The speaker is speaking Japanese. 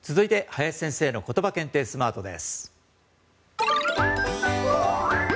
続いて林先生のことば検定スマートです。